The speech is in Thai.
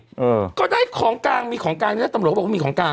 เออก็ได้ของกลางมีของกลางเนี้ยตำรวจก็บอกว่ามีของกลาง